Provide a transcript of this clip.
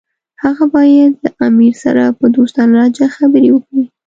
هغه باید له امیر سره په دوستانه لهجه خبرې وکړي.